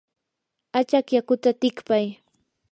achaq yakuta tikpay.